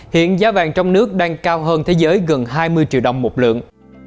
hiện giá vàng trong nước đang cao hơn thế giới gần hai mươi triệu đồng một lượng